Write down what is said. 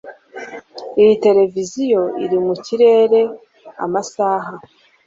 Iyo televiziyo iri mu kirere amasaha